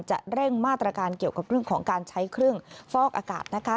จะเร่งมาตรการเกี่ยวกับเรื่องของการใช้เครื่องฟอกอากาศนะคะ